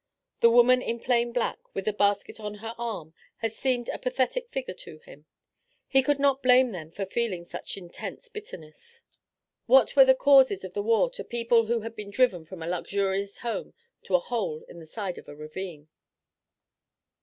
The woman in plain black, with the basket on her arm, had seemed a pathetic figure to him. He could not blame them for feeling such intense bitterness. What were the causes of the war to people who had been driven from a luxurious home to a hole in the side of a ravine?